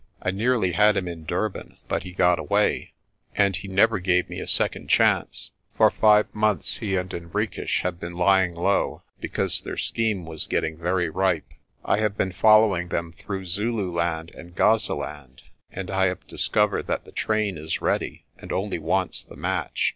I nearly had him in Durban, but he got away; and he never gave me a second chance. For five months he and Henriques have been lying low, be cause their scheme was getting very ripe. I have been fol lowing them through Zululand and Gazaland, and I have discovered that the train is ready, and only wants the match.